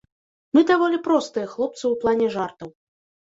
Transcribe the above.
Мы даволі простыя хлопцы ў плане жартаў.